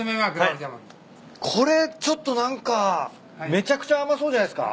これちょっと何かめちゃくちゃ甘そうじゃないっすか？